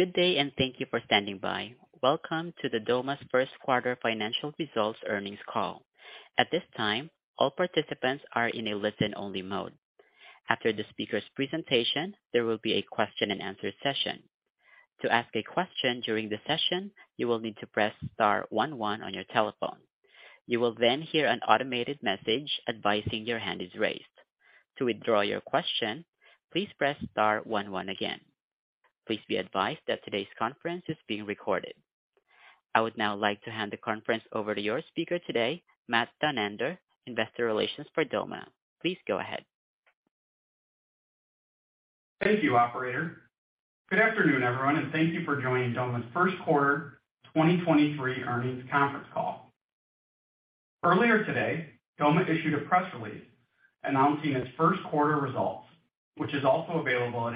Good day, thank you for standing by. Welcome to the Doma's first quarter financial results earnings call. At this time, all participants are in a listen-only mode. After the speaker's presentation, there will be a question-and-answer session. To ask a question during the session, you will need to press star one one on your telephone. You will then hear an automated message advising your hand is raised. To withdraw your question, please press star one one again. Please be advised that today's conference is being recorded. I would now like to hand the conference over to your speaker today, Matt Thunander, Investor Relations for Doma. Please go ahead. Thank you, operator. Good afternoon, everyone, and thank you for joining Doma's first quarter 2023 earnings conference call. Earlier today, Doma issued a press release announcing its first quarter results, which is also available at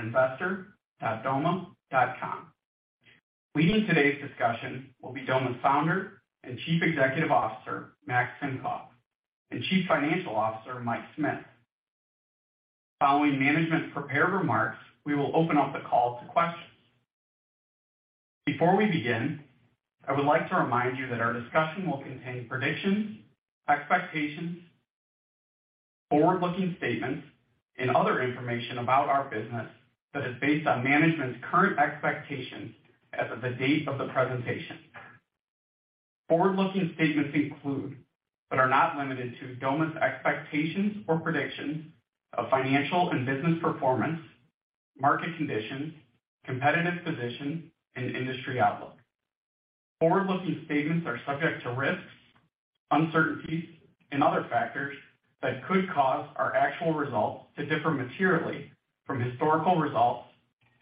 investor.doma.com. Leading today's discussion will be Doma's Founder and Chief Executive Officer, Max Simkoff, and Chief Financial Officer, Mike Smith. Following management prepared remarks, we will open up the call to questions. Before we begin, I would like to remind you that our discussion will contain predictions, expectations, forward-looking statements, and other information about our business that is based on management's current expectations as of the date of the presentation. Forward-looking statements include, but are not limited to Doma's expectations or predictions of financial and business performance, market conditions, competitive position, and industry outlook. Forward-looking statements are subject to risks, uncertainties, and other factors that could cause our actual results to differ materially from historical results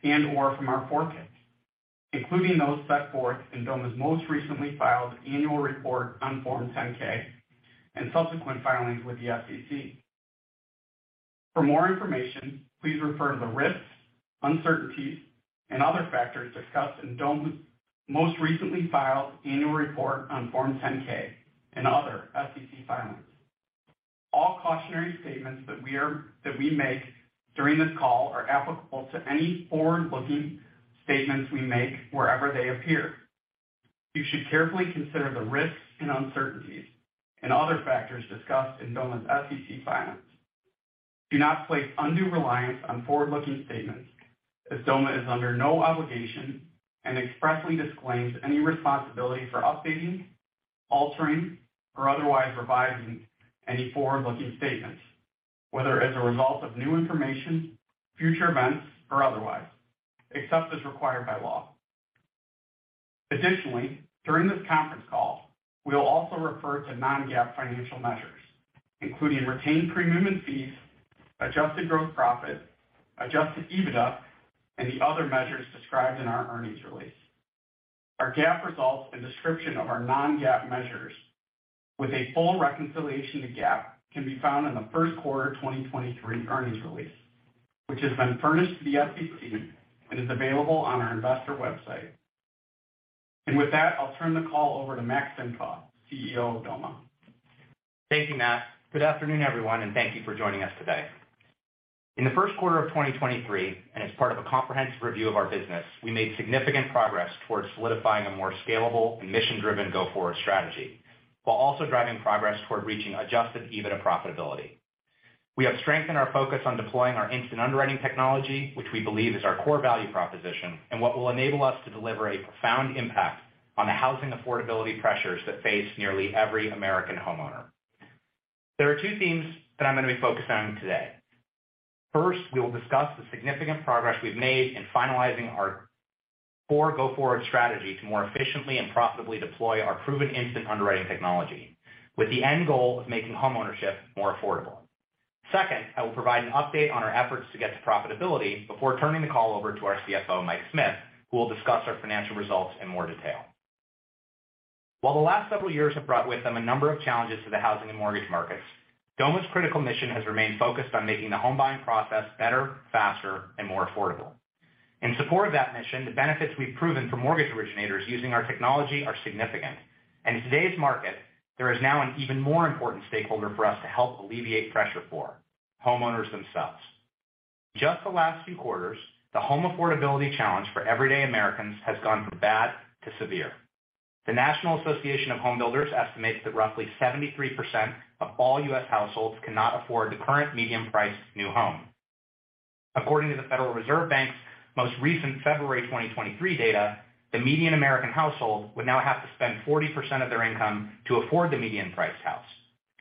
and/or from our forecasts, including those set forth in Doma's most recently filed annual report on Form 10-K and subsequent filings with the SEC. For more information, please refer to the risks, uncertainties, and other factors discussed in Doma's most recently filed annual report on Form 10-K and other SEC filings. All cautionary statements that we make during this call are applicable to any forward-looking statements we make wherever they appear. You should carefully consider the risks and uncertainties and other factors discussed in Doma's SEC filings. Do not place undue reliance on forward-looking statements as Doma is under no obligation and expressly disclaims any responsibility for updating, altering, or otherwise revising any forward-looking statements, whether as a result of new information, future events, or otherwise, except as required by law. Additionally, during this conference call, we will also refer to non-GAAP financial measures, including retained premiums and fees, adjusted gross profit, adjusted EBITDA, and the other measures described in our earnings release. Our GAAP results and description of our non-GAAP measures with a full reconciliation to GAAP can be found in the first quarter 2023 earnings release, which has been furnished to the SEC and is available on our investor website. With that, I'll turn the call over to Max Simkoff, CEO of Doma. Thank you, Matt. Good afternoon, everyone, and thank you for joining us today. In the first quarter of 2023, and as part of a comprehensive review of our business, we made significant progress towards solidifying a more scalable and mission-driven go-forward strategy, while also driving progress toward reaching adjusted EBITDA profitability. We have strengthened our focus on deploying our instant underwriting technology, which we believe is our core value proposition and what will enable us to deliver a profound impact on the housing affordability pressures that face nearly every American homeowner. There are two themes that I'm going to be focusing on today. First, we will discuss the significant progress we've made in finalizing our four go-forward strategy to more efficiently and profitably deploy our proven instant underwriting technology with the end goal of making homeownership more affordable. Second, I will provide an update on our efforts to get to profitability before turning the call over to our CFO, Mike Smith, who will discuss our financial results in more detail. While the last several years have brought with them a number of challenges to the housing and mortgage markets, Doma's critical mission has remained focused on making the home buying process better, faster, and more affordable. In today's market, there is now an even more important stakeholder for us to help alleviate pressure for homeowners themselves. Just the last few quarters, the home affordability challenge for everyday Americans has gone from bad to severe. The National Association of Home Builders estimates that roughly 73% of all U.S. households cannot afford the current median-priced new home. According to the Federal Reserve Bank's most recent February 2023 data, the median American household would now have to spend 40% of their income to afford the median-priced house.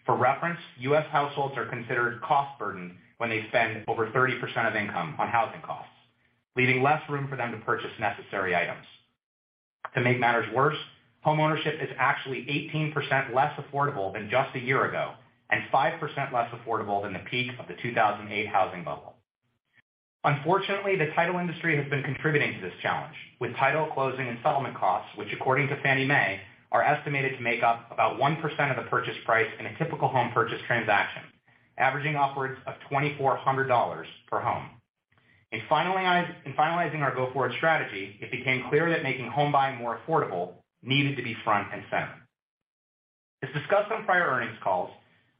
For reference, U.S. households are considered cost burden when they spend over 30% of income on housing costs, leaving less room for them to purchase necessary items. To make matters worse, homeownership is actually 18% less affordable than just a year ago and 5% less affordable than the peak of the 2008 housing bubble. Unfortunately, the title industry has been contributing to this challenge with title closing and settlement costs, which according to Fannie Mae, are estimated to make up about 1% of the purchase price in a typical home purchase transaction, averaging upwards of $2,400 per home. In finalizing our go-forward strategy, it became clear that making home buying more affordable needed to be front and center. As discussed on prior earnings calls,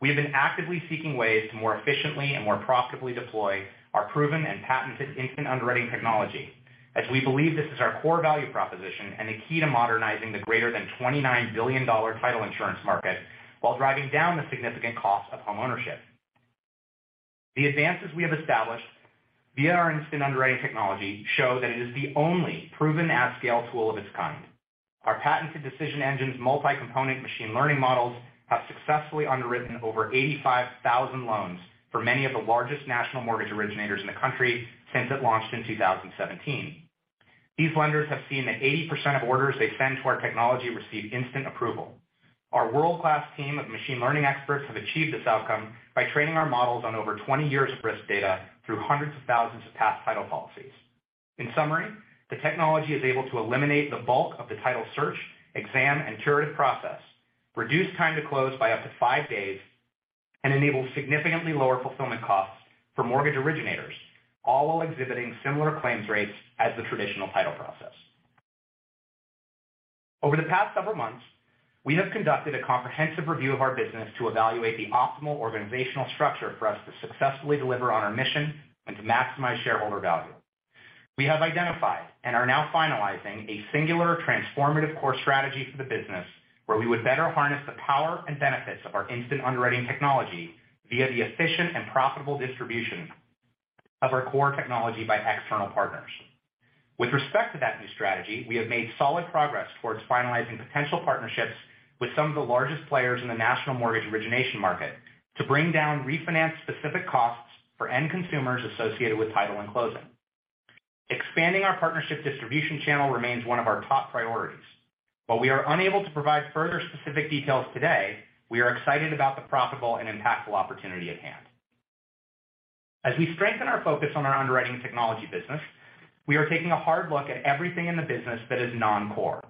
we have been actively seeking ways to more efficiently and more profitably deploy our proven and patented instant underwriting technology, as we believe this is our core value proposition and the key to modernizing the greater than $29 billion title insurance market while driving down the significant cost of homeownership. The advances we have established via our instant underwriting technology show that it is the only proven at-scale tool of its kind. Our patented decision engine's multi-component machine learning models have successfully underwritten over 85,000 loans for many of the largest national mortgage originators in the country since it launched in 2017. These lenders have seen that 80% of orders they send to our technology receive instant approval. Our world-class team of machine learning experts have achieved this outcome by training our models on over 20 years of risk data through hundreds of thousands of past title policies. In summary, the technology is able to eliminate the bulk of the title search, exam, and curative process, reduce time to close by up to five days, and enable significantly lower fulfillment costs for mortgage originators, all while exhibiting similar claims rates as the traditional title process. Over the past several months, we have conducted a comprehensive review of our business to evaluate the optimal organizational structure for us to successfully deliver on our mission and to maximize shareholder value. We have identified and are now finalizing a singular transformative core strategy for the business, where we would better harness the power and benefits of our instant underwriting technology via the efficient and profitable distribution of our core technology by external partners. With respect to that new strategy, we have made solid progress towards finalizing potential partnerships with some of the largest players in the national mortgage origination market to bring down refinance-specific costs for end consumers associated with title and closing. Expanding our partnership distribution channel remains one of our top priorities. While we are unable to provide further specific details today, we are excited about the profitable and impactful opportunity at hand. As we strengthen our focus on our underwriting technology business, we are taking a hard look at everything in the business that is non-core.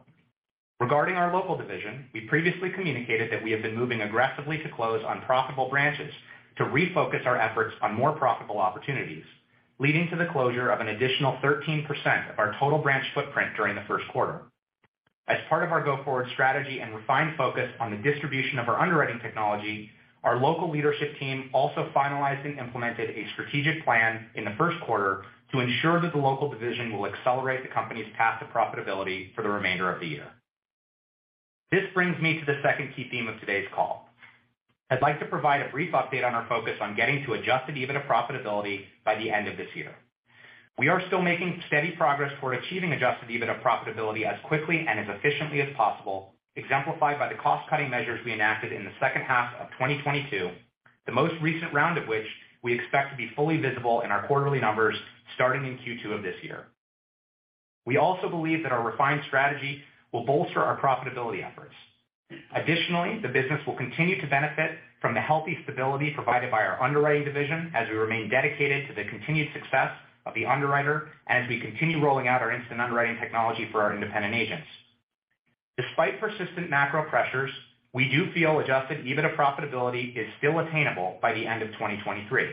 Regarding our local division, we previously communicated that we have been moving aggressively to close unprofitable branches to refocus our efforts on more profitable opportunities, leading to the closure of an additional 13% of our total branch footprint during the first quarter. As part of our go-forward strategy and refined focus on the distribution of our underwriting technology, our local leadership team also finalized and implemented a strategic plan in the first quarter to ensure that the local division will accelerate the company's path to profitability for the remainder of the year. This brings me to the second key theme of today's call. I'd like to provide a brief update on our focus on getting to adjusted EBITDA profitability by the end of this year. We are still making steady progress toward achieving adjusted EBITDA profitability as quickly and as efficiently as possible, exemplified by the cost-cutting measures we enacted in the second half of 2022, the most recent round of which we expect to be fully visible in our quarterly numbers starting in Q2 of this year. We also believe that our refined strategy will bolster our profitability efforts. The business will continue to benefit from the healthy stability provided by our underwriting division as we remain dedicated to the continued success of the underwriter and as we continue rolling out our instant underwriting technology for our independent agents. Despite persistent macro pressures, we do feel adjusted EBITDA profitability is still attainable by the end of 2023.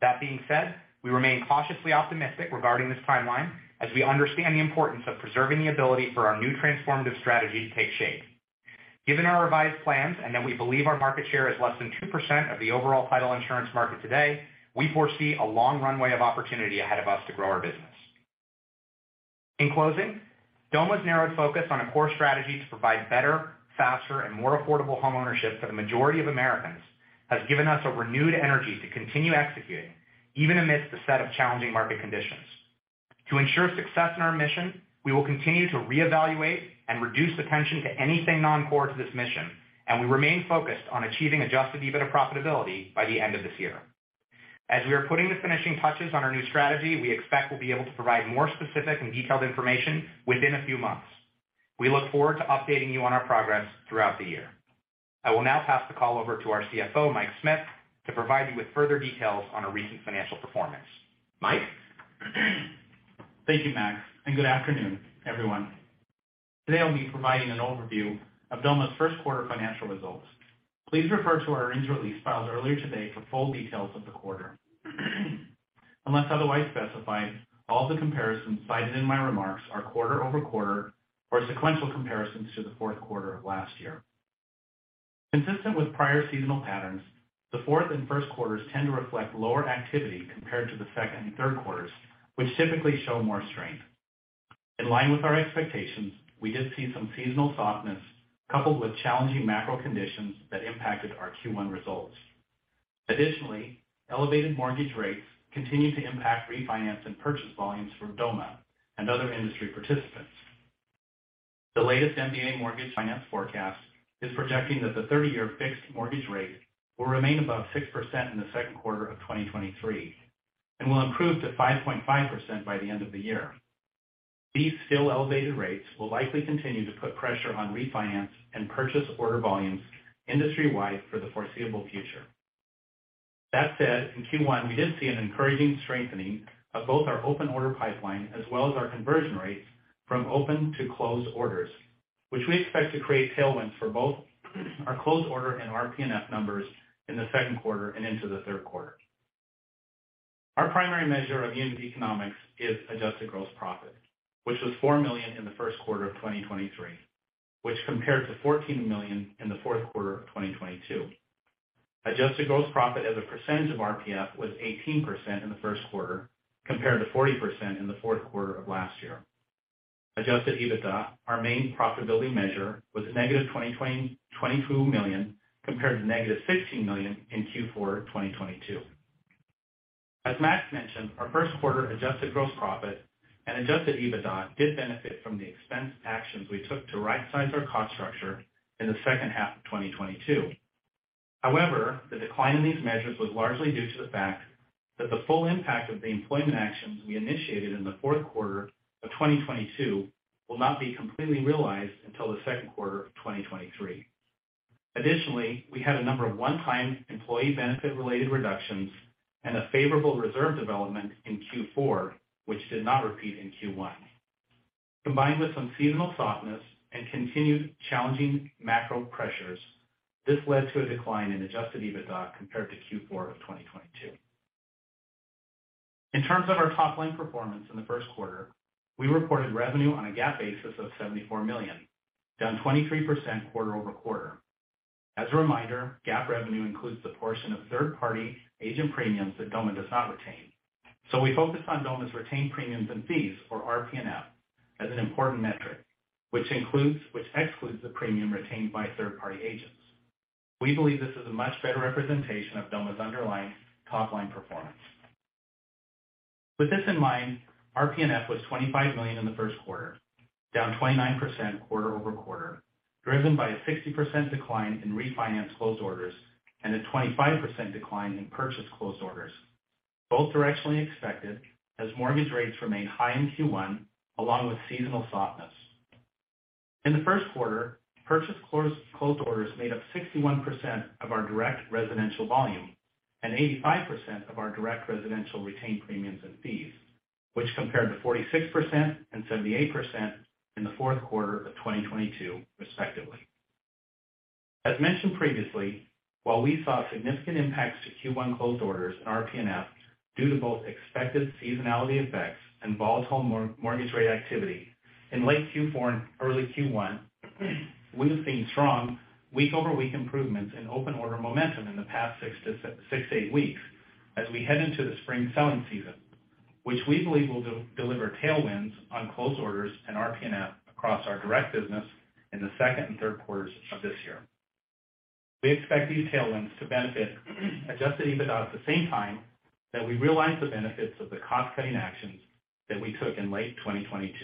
That being said, we remain cautiously optimistic regarding this timeline as we understand the importance of preserving the ability for our new transformative strategy to take shape. Given our revised plans, and that we believe our market share is less than 2% of the overall title insurance market today, we foresee a long runway of opportunity ahead of us to grow our business. In closing, Doma's narrowed focus on a core strategy to provide better, faster, and more affordable homeownership for the majority of Americans has given us a renewed energy to continue executing, even amidst a set of challenging market conditions. To ensure success in our mission, we will continue to reevaluate and reduce attention to anything non-core to this mission, and we remain focused on achieving adjusted EBITDA profitability by the end of this year. As we are putting the finishing touches on our new strategy, we expect we'll be able to provide more specific and detailed information within a few months. We look forward to updating you on our progress throughout the year. I will now pass the call over to our CFO, Mike Smith, to provide you with further details on our recent financial performance. Mike? Thank you, Max. Good afternoon, everyone. Today I'll be providing an overview of Doma's first quarter financial results. Please refer to our earnings release filed earlier today for full details of the quarter. Unless otherwise specified, all the comparisons cited in my remarks are quarter-over-quarter or sequential comparisons to the fourth quarter of last year. Consistent with prior seasonal patterns, the fourth and first quarters tend to reflect lower activity compared to the second and third quarters, which typically show more strength. In line with our expectations, we did see some seasonal softness coupled with challenging macro conditions that impacted our Q1 results. Additionally, elevated mortgage rates continue to impact refinance and purchase volumes for Doma and other industry participants. The latest MBA mortgage finance forecast is projecting that the 30-year fixed mortgage rate will remain above 6% in the second quarter of 2023, and will improve to 5.5% by the end of the year. These still elevated rates will likely continue to put pressure on refinance and purchase order volumes industry-wide for the foreseeable future. That said, in Q1, we did see an encouraging strengthening of both our open order pipeline as well as our conversion rates from open to closed orders, which we expect to create tailwinds for both our closed order and our P&F numbers in the second quarter and into the third quarter. Our primary measure of unit economics is adjusted gross profit, which was $4 million in the first quarter of 2023, which compared to $14 million in the fourth quarter of 2022. Adjusted gross profit as a percentage of RPNF was 18% in the first quarter, compared to 40% in the fourth quarter of last year. Adjusted EBITDA, our main profitability measure, was -$22 million compared to -$15 million in Q4 2022. As Max mentioned, our first quarter adjusted gross profit and adjusted EBITDA did benefit from the expense actions we took to right size our cost structure in the second half of 2022. However, the decline in these measures was largely due to the fact that the full impact of the employment actions we initiated in the fourth quarter of 2022 will not be completely realized until the second quarter of 2023. Additionally, we had a number of one-time employee benefit related reductions and a favorable reserve development in Q4, which did not repeat in Q1. Combined with some seasonal softness and continued challenging macro pressures, this led to a decline in adjusted EBITDA compared to Q4 of 2022. In terms of our top-line performance in the first quarter, we reported revenue on a GAAP basis of $74 million, down 23% quarter-over-quarter. As a reminder, GAAP revenue includes the portion of third-party agent premiums that Doma does not retain. We focus on Doma's retained premiums and fees, or RPNF, as an important metric, which excludes the premium retained by third party agents. We believe this is a much better representation of Doma's underlying top line performance. With this in mind, RPNF was $25 million in the first quarter, down 29% quarter-over-quarter, driven by a 60% decline in refinance closed orders and a 25% decline in purchase closed orders. Both directionally expected as mortgage rates remained high in Q1 along with seasonal softness. In the first quarter, purchase closed orders made up 61% of our direct residential volume and 85% of our direct residential retained premiums and fees, which compared to 46% and 78% in the fourth quarter of 2022, respectively. As mentioned previously, while we saw significant impacts to Q1 closed orders and RPNF due to both expected seasonality effects and volatile mortgage rate activity in late Q4 and early Q1, we have seen strong week-over-week improvements in open order momentum in the past six to eight weeks as we head into the spring selling season, which we believe will deliver tailwinds on close orders and RPNF across our direct business in the second and third quarters of this year. We expect these tailwinds to benefit adjusted EBITDA at the same time that we realize the benefits of the cost-cutting actions that we took in late 2022.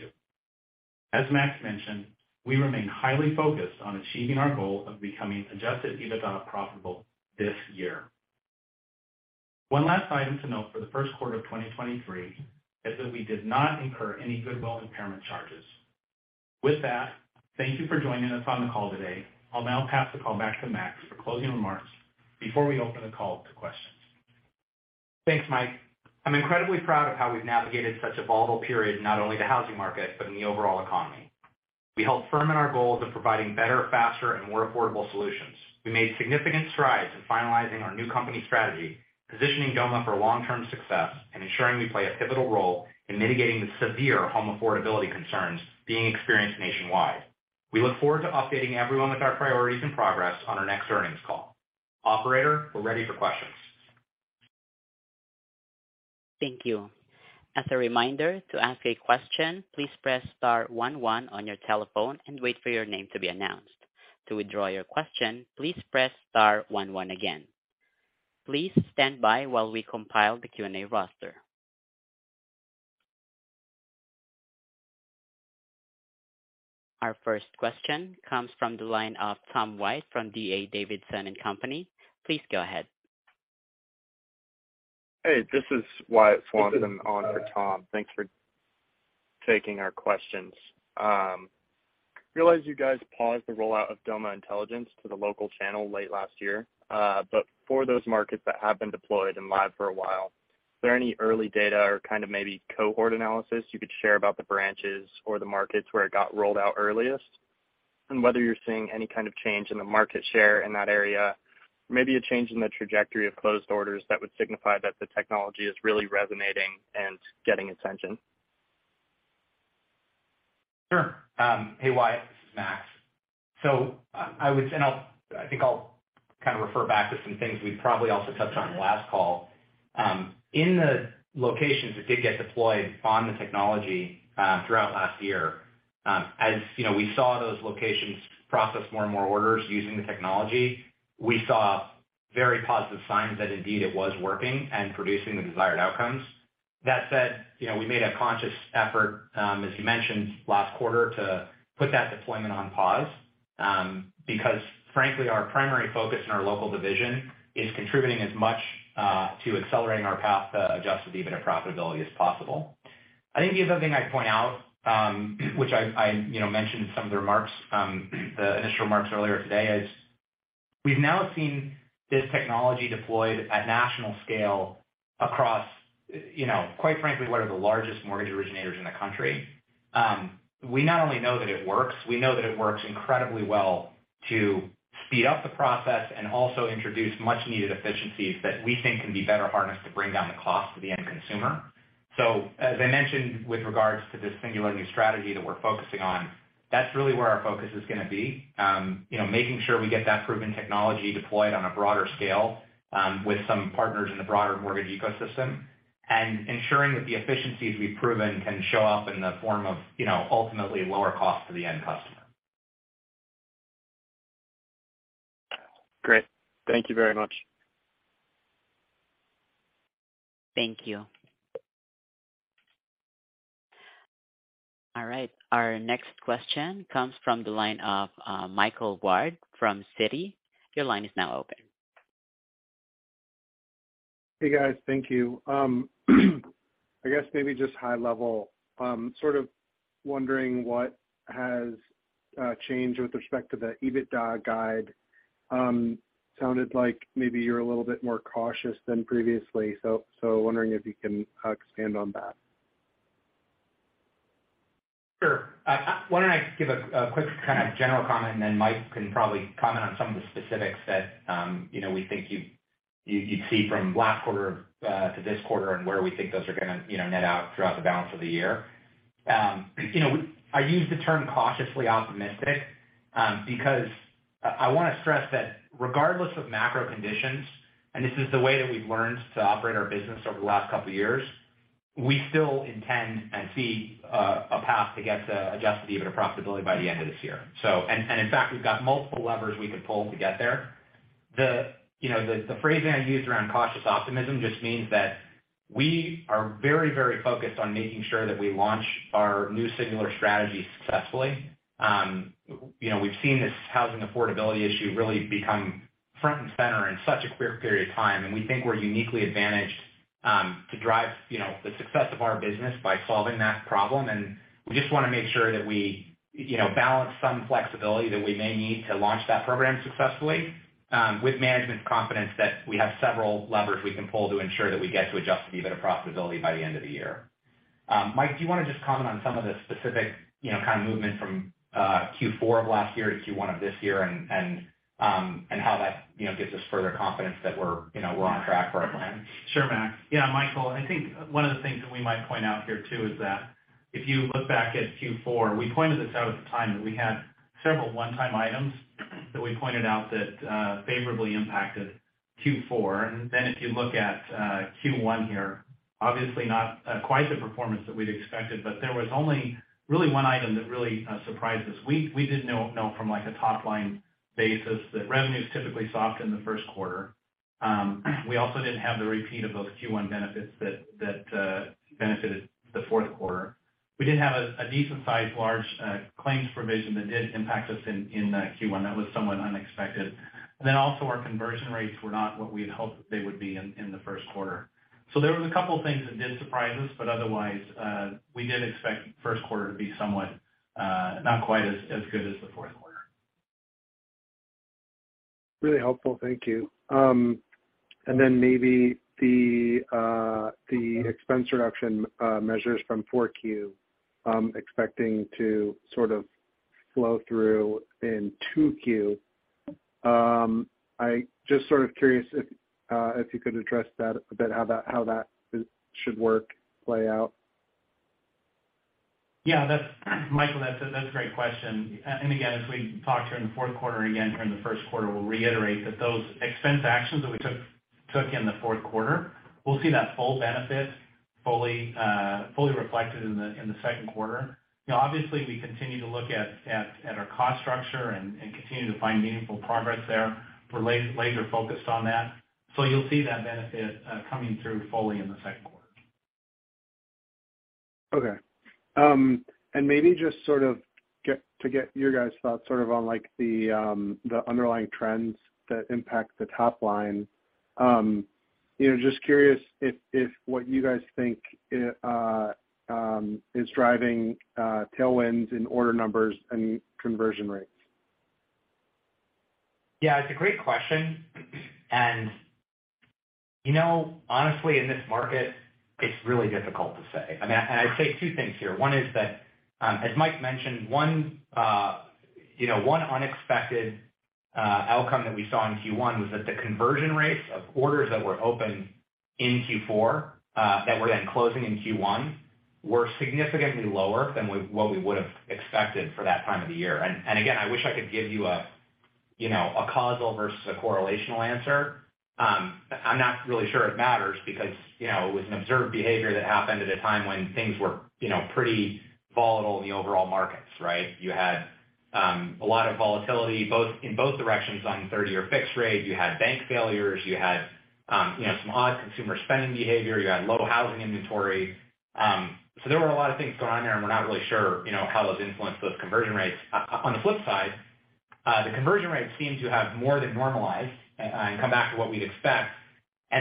As Max mentioned, we remain highly focused on achieving our goal of becoming adjusted EBITDA profitable this year. One last item to note for the first quarter of 2023 is that we did not incur any goodwill impairment charges. With that, thank you for joining us on the call today. I'll now pass the call back to Max for closing remarks before we open the call to questions. Thanks, Mike. I'm incredibly proud of how we've navigated such a volatile period, not only the housing market, but in the overall economy. We held firm in our goals of providing better, faster, and more affordable solutions. We made significant strides in finalizing our new company strategy, positioning Doma for long-term success and ensuring we play a pivotal role in mitigating the severe home affordability concerns being experienced nationwide. We look forward to updating everyone with our priorities and progress on our next earnings call. Operator, we're ready for questions. Thank you. As a reminder, to ask a question, please press star one one on your telephone and wait for your name to be announced. To withdraw your question, please press star one one again. Please stand by while we compile the Q&A roster. Our first question comes from the line of Tom White from D.A. Davidson & Co. Please go ahead. Hey, this is Wyatt Swanson. I'm on for Tom. Thanks for taking our questions. Realize you guys paused the rollout of Doma Intelligence to the local channel late last year. For those markets that have been deployed and live for a while, is there any early data or kind of maybe cohort analysis you could share about the branches or the markets where it got rolled out earliest? Whether you're seeing any kind of change in the market share in that area, maybe a change in the trajectory of closed orders that would signify that the technology is really resonating and getting attention? Sure. Hey, Wyatt, this is Max. I think I'll kind of refer back to some things we probably also touched on last call. In the locations that did get deployed on the technology throughout last year, as you know, we saw those locations process more and more orders using the technology. We saw very positive signs that indeed it was working and producing the desired outcomes. That said, you know, we made a conscious effort, as you mentioned, last quarter, to put that deployment on pause, because frankly, our primary focus in our local division is contributing as much to accelerating our path to adjusted EBITDA profitability as possible. I think the other thing I'd point out, which I, you know, mentioned in some of the remarks, the initial remarks earlier today is we've now seen this technology deployed at national scale across, you know, quite frankly, what are the largest mortgage originators in the country. We not only know that it works, we know that it works incredibly well to speed up the process and also introduce much needed efficiencies that we think can be better harnessed to bring down the cost to the end consumer. As I mentioned with regards to this singular new strategy that we're focusing on, that's really where our focus is gonna be. You know, making sure we get that proven technology deployed on a broader scale, with some partners in the broader mortgage ecosystem, and ensuring that the efficiencies we've proven can show up in the form of, you know, ultimately lower cost to the end customer. Great. Thank you very much. Thank you. All right. Our next question comes from the line of Michael Ward from Citi. Your line is now open. Hey, guys. Thank you. I guess maybe just high level, sort of wondering what has changed with respect to the EBITDA guide. Sounded like maybe you're a little bit more cautious than previously, wondering if you can expand on that? Sure. Why don't I give a quick kind of general comment, and then Mike can probably comment on some of the specifics that, you know, we think you'd see from last quarter to this quarter and where we think those are gonna, you know, net out throughout the balance of the year. You know, I use the term cautiously optimistic, because I wanna stress that regardless of macro conditions, and this is the way that we've learned to operate our business over the last couple of years, we still intend and see a path to get to adjusted EBITDA profitability by the end of this year. In fact, we've got multiple levers we could pull to get there. The, you know, the phrasing I used around cautious optimism just means that we are very, very focused on making sure that we launch our new singular strategy successfully. You know, we've seen this housing affordability issue really become front and center in such a [quick] period of time, and we think we're uniquely advantaged to drive, you know, the success of our business by solving that problem. We just wanna make sure that we, you know, balance some flexibility that we may need to launch that program successfully, with management's confidence that we have several levers we can pull to ensure that we get to adjusted EBITDA profitability by the end of the year. Mike, do you wanna just comment on some of the specific, you know, kind of movement from Q4 of last year to Q1 of this year and how that, you know, gives us further confidence that we're, you know, we're on track for our plan? Sure, Max. Yeah, Michael, I think one of the things that we might point out here too is that if you look back at Q4, we pointed this out at the time that we had several one-time items that we pointed out that favorably impacted Q4. If you look at Q1 here, obviously not quite the performance that we'd expected, but there was only really one item that really surprised us. We did know from, like, a top-line basis that revenue is typically soft in the first quarter. We also didn't have the repeat of those Q1 benefits that benefited the fourth quarter. We did have a decent-sized large claims provision that did impact us in Q1. That was somewhat unexpected. Also, our conversion rates were not what we had hoped they would be in the first quarter. There was a couple of things that did surprise us, but otherwise, we did expect first quarter to be somewhat, not quite as good as the fourth quarter. Really helpful. Thank you. Maybe the expense reduction measures from 4Q, expecting to sort of flow through in 2Q. I just sort of curious if you could address that a bit, how that, how that should work, play out? Yeah, Michael, that's a great question. Again, as we talked here in the fourth quarter, again here in the first quarter, we'll reiterate that those expense actions that we took in the fourth quarter, we'll see that full benefit fully reflected in the second quarter. You know, obviously, we continue to look at our cost structure and continue to find meaningful progress there. We're laser focused on that. You'll see that benefit coming through fully in the second quarter. Okay. Maybe just sort of to get your guys' thoughts sort of on, like, the underlying trends that impact the top line. You know, just curious if what you guys think is driving tailwinds in order numbers and conversion rates. Yeah, it's a great question. You know, honestly, in this market, it's really difficult to say. I mean, I'd say two things here. One is that, as Mike mentioned, one, you know, one unexpected outcome that we saw in Q1 was that the conversion rates of orders that were open in Q4, that were then closing in Q1, were significantly lower than what we would have expected for that time of the year. Again, I wish I could give you a, you know, a causal versus a correlational answer. I'm not really sure it matters because, you know, it was an observed behavior that happened at a time when things were, you know, pretty volatile in the overall markets, right? You had a lot of volatility in both directions on 30-year fixed rate. You had bank failures, you had, you know, some odd consumer spending behavior, you had low housing inventory. There were a lot of things going on there, and we're not really sure, you know, how those influenced those conversion rates. On the flip side, the conversion rates seem to have more than normalized and come back to what we'd expect.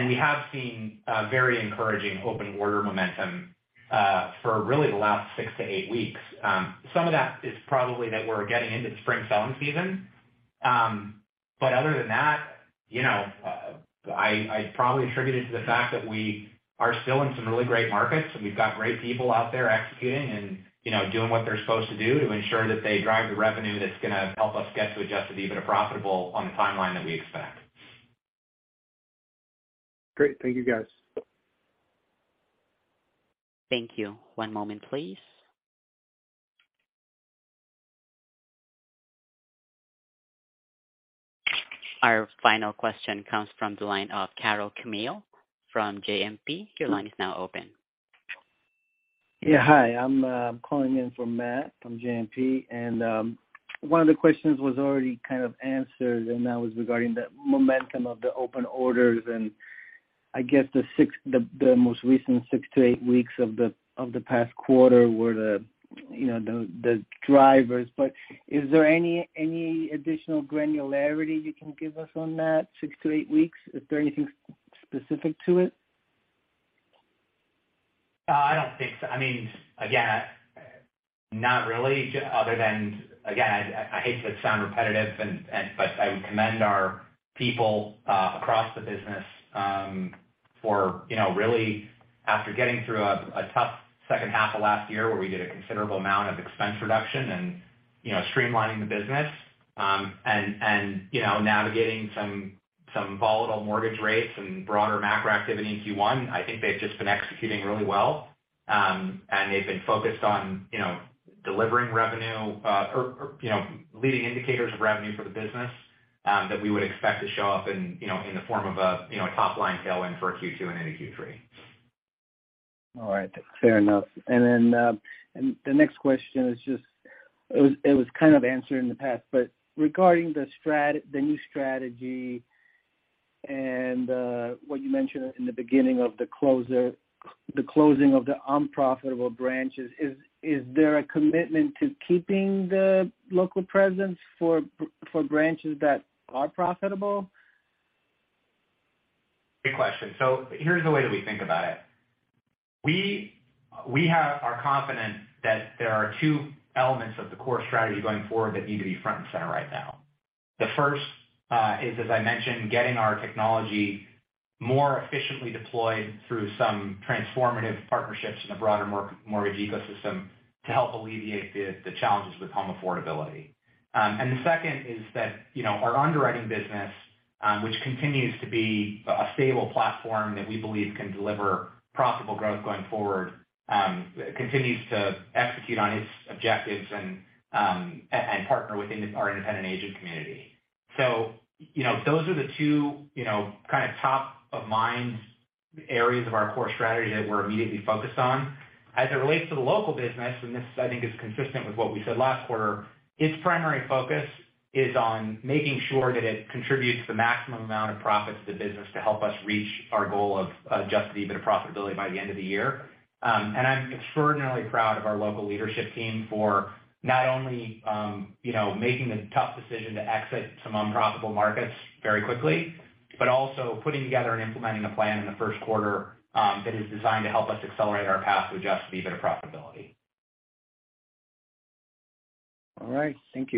We have seen very encouraging open order momentum for really the last six to eight weeks. Some of that is probably that we're getting into the spring selling season. Other than that, you know, I'd probably attribute it to the fact that we are still in some really great markets, and we've got great people out there executing and, you know, doing what they're supposed to do to ensure that they drive the revenue that's gonna help us get to adjusted EBITDA profitable on the timeline that we expect. Great. Thank you, guys. Thank you. One moment, please. Our final question comes from the line of Karol Chmiel from JMP. Your line is now open. Yeah. Hi, I'm calling in for Max from JMP. One of the questions was already kind of answered, and that was regarding the momentum of the open orders. I guess the most recent six to eight weeks of the past quarter were the, you know, the drivers. Is there any additional granularity you can give us on that six to eight weeks? Is there anything specific to it? I don't think so. I mean, again, not really other than, again, I hate to sound repetitive and I would commend our people across the business for, you know, really after getting through a tough second half of last year where we did a considerable amount of expense reduction and, you know, streamlining the business. You know, navigating some volatile mortgage rates and broader macro activity in Q1, I think they've just been executing really well. They've been focused on, you know, delivering revenue or, you know, leading indicators of revenue for the business that we would expect to show up in, you know, in the form of a, you know, a top-line tailwind for a Q2 and into Q3. All right, fair enough. The next question is just, it was kind of answered in the past. Regarding the new strategy and what you mentioned in the beginning of the closing of the unprofitable branches. Is there a commitment to keeping the local presence for branches that are profitable? Good question. Here's the way that we think about it. We are confident that there are two elements of the core strategy going forward that need to be front and center right now. The first is, as I mentioned, getting our technology more efficiently deployed through some transformative partnerships in the broader mortgage ecosystem to help alleviate the challenges with home affordability. The second is that, you know, our underwriting business, which continues to be a stable platform that we believe can deliver profitable growth going forward, continues to execute on its objectives and partner within our independent agent community. You know, those are the two, you know, kind of top of mind areas of our core strategy that we're immediately focused on. As it relates to the local business, and this, I think, is consistent with what we said last quarter, its primary focus is on making sure that it contributes the maximum amount of profits to the business to help us reach our goal of adjusted EBITDA profitability by the end of the year. I'm extraordinarily proud of our local leadership team for not only, you know, making the tough decision to exit some unprofitable markets very quickly, but also putting together and implementing a plan in the first quarter, that is designed to help us accelerate our path to adjusted EBITDA profitability. All right. Thank you.